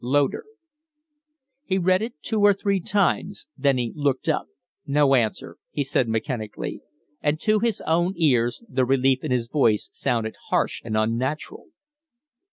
LODER." He read it two or three times, then he looked up. "No answer," he said, mechanically; and to his own ears the relief in his voice sounded harsh and unnatural.